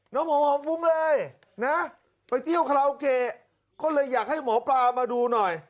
น้องผมหอมฟุ้งเลยนะไปเที่ยวคาราโอเกะก็เลยอยากให้หมอปลามาดูหน่อย